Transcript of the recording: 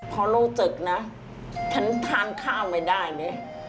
พอรู้สึกนะฉันทานข้าวไม่ได้นี่